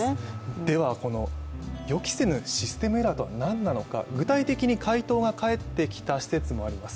では予期せぬシステムエラーとはなんなのか具体的に回答が返ってきた施設もあります。